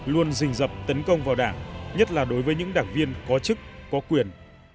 luôn rình dập tấn công vào đảng nhất là đối với những đảng viên có chức có quyền